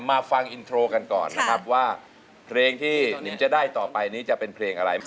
มาฟังอินโทรกันก่อนนะครับว่าเพลงที่หนิมจะได้ต่อไปนี้จะเป็นเพลงอะไร